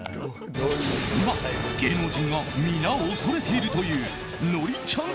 今、芸能人が皆恐れているというノリちゃん